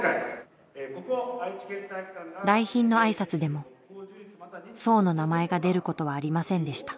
来賓の挨拶でも荘の名前が出ることはありませんでした。